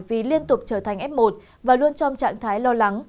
vì liên tục trở thành f một và luôn trong trạng thái lo lắng